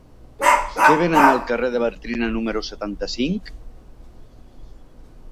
Què venen al carrer de Bartrina número setanta-cinc?